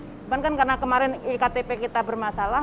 cuman kan karena kemarin iktp kita bermasalah